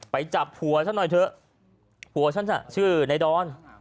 ไปจับผัวฉันหน่อยเถอะผัวฉันชื่อในดอน